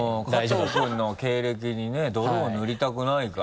加藤君の経歴にね泥を塗りたくないからね。